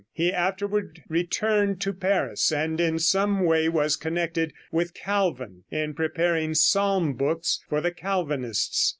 He afterward returned to Paris, and in some way was connected with Calvin in preparing psalm books for the Calvinists.